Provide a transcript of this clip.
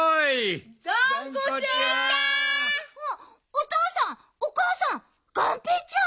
おとうさんおかあさんがんぺーちゃん。